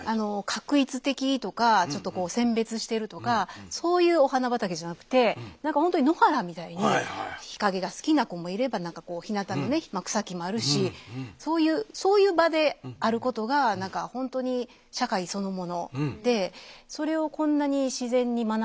画一的とかちょっと選別してるとかそういうお花畑じゃなくて何か本当に野原みたいに日陰が好きな子もいればひなたのね草木もあるしそういう場であることが何か本当に社会そのものでそれをこんなに自然に学べてる。